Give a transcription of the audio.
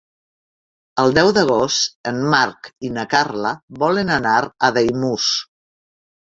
El deu d'agost en Marc i na Carla volen anar a Daimús.